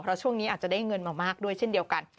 เพราะช่วงนี้อาจจะได้เงินมามากด้วยเช่นเดียวกัน